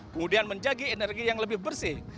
kemudian menjadi energi yang lebih bersih